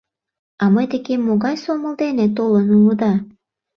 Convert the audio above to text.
— А мый декем могай сомыл дене толын улыда?